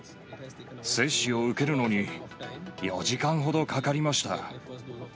接種を受けるのに４時間ほどかかりました。